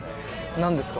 何ですか？